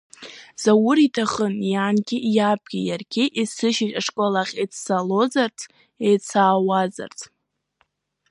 Заур иҭахын иангьы, иабгьы, иаргьы есышьыжь ашкол ахь еиццалозарц, еицаауазарц.